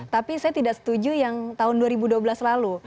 tapi saya tidak setuju yang tahun dua ribu dua belas lalu